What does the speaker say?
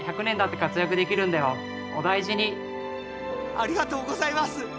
ありがとうございます！